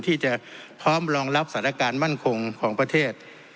ที่จะพร้อมรองรับสถานการณ์มั่นคงของประเทศ